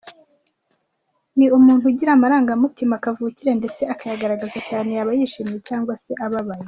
Ni umuntu ugira amarangamutima kavukire ndetse akayagaragaza cyane yaba yishimye cyangwa se ababaye.